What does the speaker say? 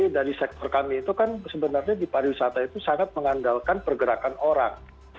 dari sektor kami itu kan sebenarnya di pariwisata itu sangat mengandalkan pergerakan orang